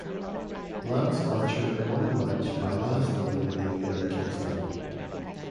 Lance Archer won the match by last eliminating Eddie Kingston.